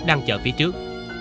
đang chờ phía trước